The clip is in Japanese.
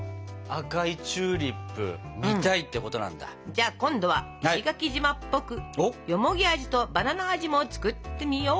じゃあ今度は石垣島っぽくよもぎ味とバナナ味も作ってみようか！